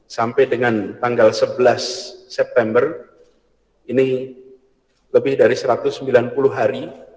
sampai dengan tanggal sebelas september ini lebih dari satu ratus sembilan puluh hari